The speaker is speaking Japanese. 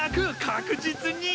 確実に！